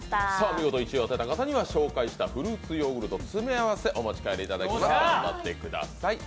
見事１位を当てた方には紹介したフルーツヨーグルトの詰め合わせお持ち帰りになってください。